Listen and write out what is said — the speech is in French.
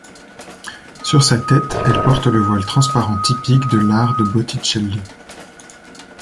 Sur sa tête, elle porte le voile transparent typique de l'art de Botticelli.